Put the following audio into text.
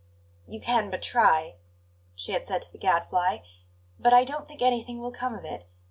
"You can but try," she had said to the Gadfly; "but I don't think anything will come of it.